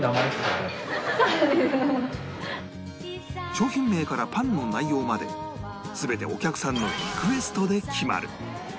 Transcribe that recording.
商品名からパンの内容まで全てお客さんのリクエストで決まる